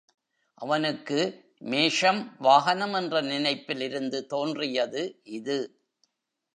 அவனுக்கு மேஷம் வாகனம் என்ற நினைப்பில் இருந்து தோன்றியது இது.